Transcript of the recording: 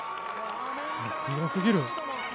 すごすぎる。